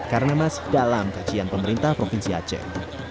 karena masih dalam kajian pemerintah provinsi aceh